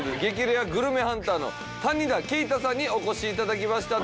レアグルメハンターの谷田圭太さんにお越しいただきました。